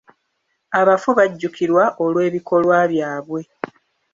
Abafu bajjukirwa olw'ebikolwa byabwe.